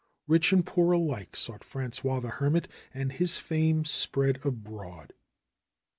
Rich and poor alike sought Frangois the Hermit, and his fame spread abroad.